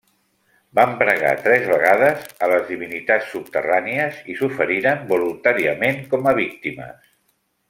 Van pregar tres vegades a les divinitats subterrànies i s'oferiren voluntàriament com a víctimes.